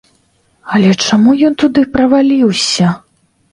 Але чаму ён туды праваліўся?